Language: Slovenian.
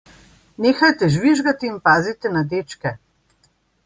Nehajte žvižgati in pazite na dečke.